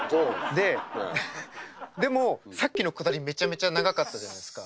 ででもさっきのくだりめちゃめちゃ長かったじゃないですか。